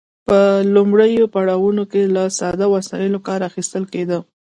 په لومړیو پړاوونو کې له ساده وسایلو کار اخیستل کیده.